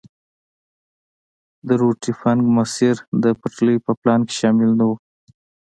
د روټي فنک مسیر د پټلۍ په پلان کې شامل نه وو.